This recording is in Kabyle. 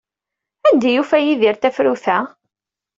Anda ay yufa Yidir tafrut-a?